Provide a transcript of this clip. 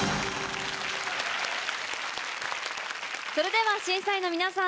それでは審査員の皆さん